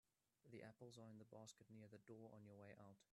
The apples are in the basket near the door on your way out.